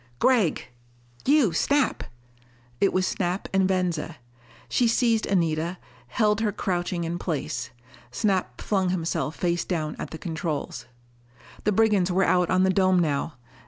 "Gregg!" "You, Snap!" It was Snap and Venza. She seized Anita, held her crouching in place. Snap flung himself face down at the controls. The brigands were out on the dome now.